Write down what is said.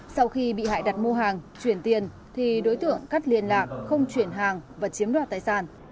sau khi bị hại đặt mua hàng chuyển tiền thì đối tượng cắt liên lạc không chuyển hàng và chiếm đoạt tài sản